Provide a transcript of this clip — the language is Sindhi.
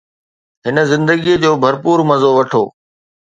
هن زندگيءَ جو ڀرپور مزو وٺو